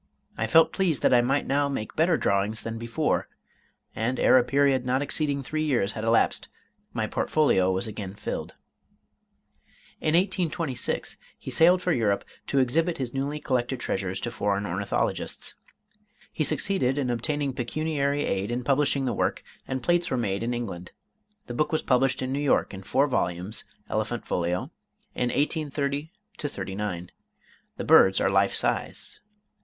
I felt pleased that I might now make better drawings than before; and ere a period not exceeding three years had elapsed, my portfolio was again filled." [Illustration: J.J. AUDUBON.] In 1826 he sailed for Europe to exhibit his newly collected treasures to foreign ornithologists. He succeeded in obtaining pecuniary aid in publishing the work, and plates were made in England. The book was published in New York in four volumes (elephant folio) in 1830 39. The birds are life size.